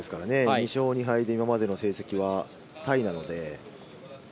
２勝２敗で今までの成績はタイなので。